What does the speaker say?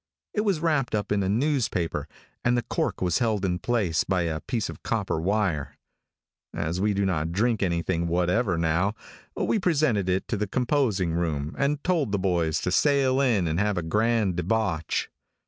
It was wrapped up in a newspaper, and the cork was held in place by a piece of copper wire. As we do not drink anything whatever now, we presented it to the composing room, and told the boys to sail in and have a grand debauch.